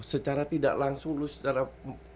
secara tidak langsung lo secara psikologis